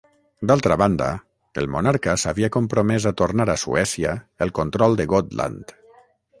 D'altra banda, el monarca s'havia compromès a tornar a Suècia el control de Gotland.